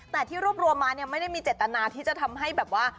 แต่ที่รวบรวมมาเนี่ยไม่ได้มีเจตนาที่จะทำให้แบบว่า